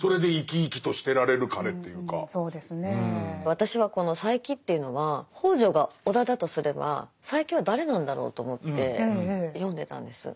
私はこの佐柄木というのは北條が尾田だとすれば佐柄木は誰なんだろうと思って読んでたんです。